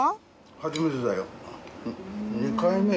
初めてだよ。